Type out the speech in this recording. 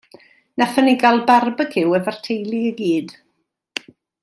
Nathon ni gael barbeciw efo'r teulu i gyd.